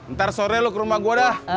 ntar sore lu ke rumah gue dah